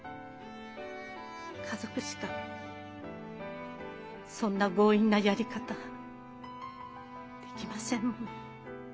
家族しかそんな強引なやり方できませんもの。